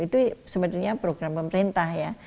itu sebenarnya program pemerintah ya